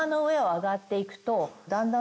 だんだん。